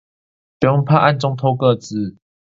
不用怕暗中偷個資